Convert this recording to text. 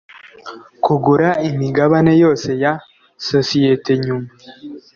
kugura imigabane yose ya sosiyete nyuma